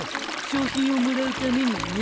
賞品をもらうためにね。